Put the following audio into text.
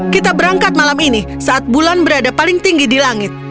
kita berangkat malam ini saat bulan berada paling tinggi di langit